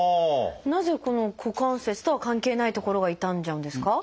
なぜこの股関節とは関係ない所が痛んじゃうんですか？